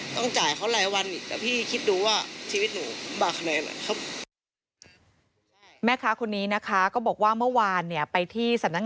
ต้องจ่ายเขาหลายวัน